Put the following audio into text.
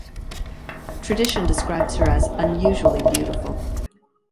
Tradition describes her as unusually beautiful.